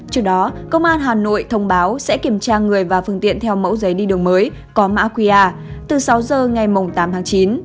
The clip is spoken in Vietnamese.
trước đó công an hà nội thông báo sẽ kiểm tra người và phương tiện theo mẫu giấy đi đường mới có mã qr từ sáu giờ ngày tám tháng chín